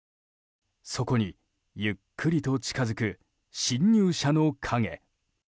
そこに、ゆっくりと近づく侵入者の影。